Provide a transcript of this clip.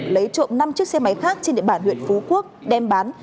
lấy trộm năm chiếc xe máy khác trên địa bàn huyện phú quốc đem bán